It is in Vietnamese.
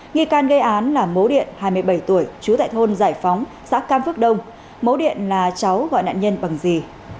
nghi can gây án là mố điện hai mươi bảy tuổi chú tại thôn giải phóng xã cam phước đông mố điện là cháu gọi nạn nhân bằng gì